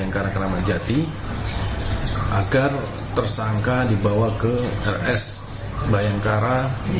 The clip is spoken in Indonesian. kepada kera kera manjati agar tersangka dibawa ke rs bayangkara